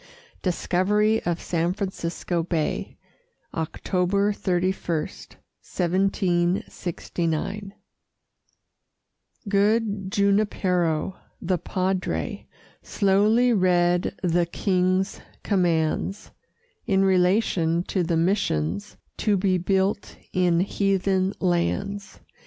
DISCOVERY OF SAN FRANCISCO BAY [October 31, 1769] Good Junipero, the Padre, Slowly read the King's commands, In relation to the missions To be built in heathen lands.